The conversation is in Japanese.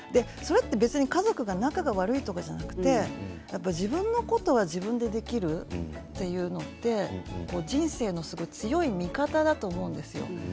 家族が仲が悪いんじゃなく自分のことを自分でできるというのって人生の強い味方だと思うんですよ。